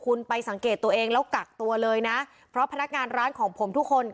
คุณไปสังเกตตัวเองแล้วกักตัวเลยนะเพราะพนักงานร้านของผมทุกคน